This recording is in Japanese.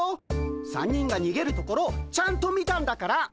３人がにげるところちゃんと見たんだから。